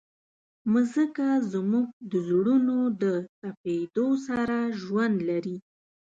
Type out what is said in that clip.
مځکه زموږ د زړونو د تپېدو سره ژوند لري.